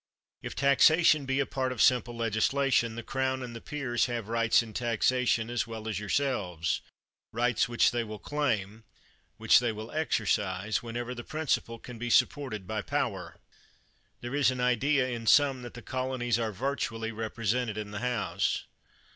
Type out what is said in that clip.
If taxation be a part of simple legislation, the Crown and the peers have rights in taxation as well as your selves; rights which they will claim, which they will exercise, whenever the principle can be sup ported by power. There is an idea in some that the colonies are virtually represented in the House.